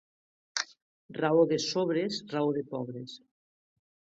Raó de sobres, raó de pobres.